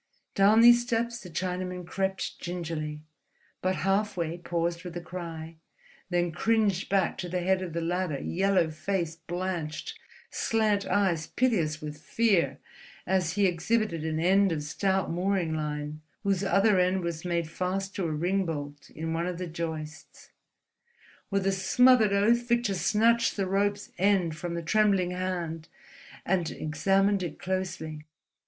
Down these steps the Chinaman crept gingerly, but halfway paused with a cry, then cringed back to the head of the ladder, yellow face blanched, slant eyes piteous with fear, as he exhibited an end of stout mooring line whose other end was made fast to a ring bolt in one of the joists. With a smothered oath Victor snatched the rope's end from the trembling hand and examined it closely.